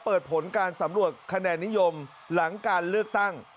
ผลการสำรวจคะแนนนิยมหลังการเลือกตั้ง